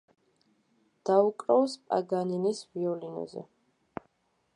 დაუკრავს პაგანინის ვიოლინოზე.